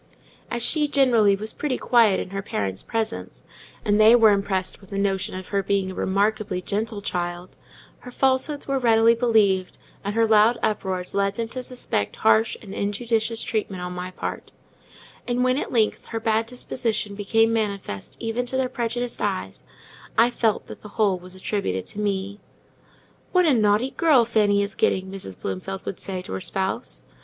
As she, generally, was pretty quiet in her parents' presence, and they were impressed with the notion of her being a remarkably gentle child, her falsehoods were readily believed, and her loud uproars led them to suspect harsh and injudicious treatment on my part; and when, at length, her bad disposition became manifest even to their prejudiced eyes, I felt that the whole was attributed to me. "What a naughty girl Fanny is getting!" Mrs. Bloomfield would say to her spouse.